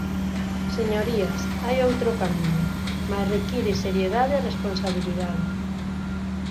Señorías, hai outro camiño, mais require seriedade e responsabilidade.